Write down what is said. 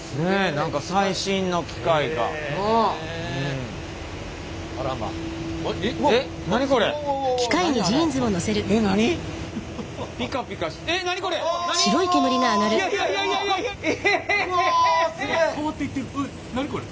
何これ！